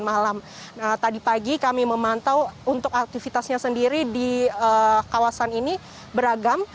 malam tadi pagi kami memantau untuk aktivitasnya sendiri di kawasan ini beragam